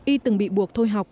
y từng bị buộc thôi học